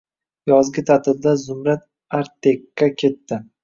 Yozgi ta’tilda Zumrad Artekka ketdi.